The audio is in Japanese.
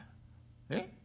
えっ？